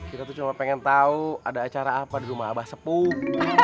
kita tuh cuma pengen tahu ada acara apa di rumah abah sepuh